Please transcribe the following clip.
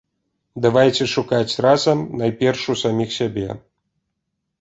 Давайце шукаць разам, найперш, у саміх сабе.